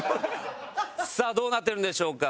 さあどうなっているんでしょうか？